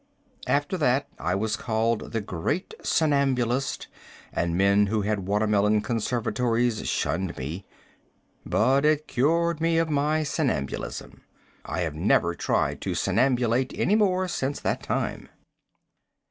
After that I was called the great somnambulist and men who had watermelon conservatories shunned me. But it cured me of my somnambulism. I have never tried to somnambule any more since that time.